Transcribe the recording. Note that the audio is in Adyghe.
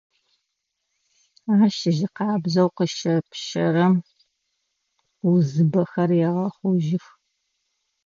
Ащ жьы къабзэу къыщэпщэрэм узыбэхэр егъэхъужьых.